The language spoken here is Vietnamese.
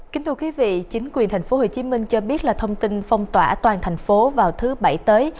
chính quyền thành phố hồ chí minh cho biết là thông tin phong tỏa toàn thành phố vào thứ bảy tới